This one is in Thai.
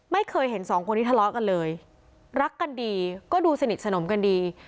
ไม่เคยเห็นสองคนนี้ทะเลาะกันเลยรักกันดีก็ดูสนิทสนมกันดี